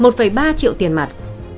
một ba triệu tiền mặt